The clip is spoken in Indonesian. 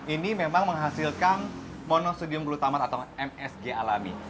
ini memang menghasilkan monosodium glutamate atau msg alami